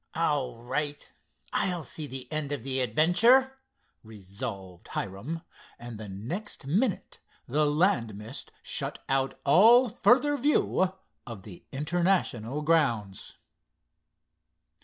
"All right, I'll see the end of the adventure," resolved Hiram, and the next minute the land mist shut out all further view of the International grounds.